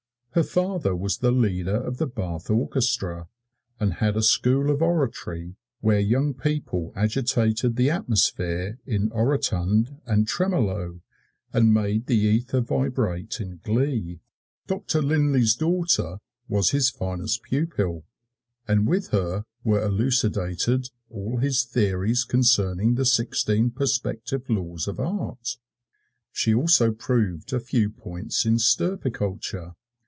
Her father was the leader of the Bath Orchestra, and had a School of Oratory where young people agitated the atmosphere in orotund and tremolo and made the ether vibrate in glee. Doctor Linlay's daughter was his finest pupil, and with her were elucidated all his theories concerning the Sixteen Perspective Laws of Art. She also proved a few points in stirpiculture.